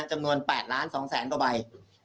จำนวน๘ล้าน๒แสนกว่าใบ